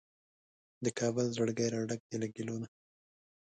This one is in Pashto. د کابل زړګی راډک دی له ګیلو نه